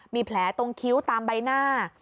มีแผลตรงคิ้วตามใบหน้า